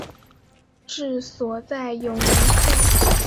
治所在永年县。